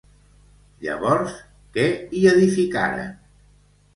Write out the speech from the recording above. Llavors, què hi edificaren?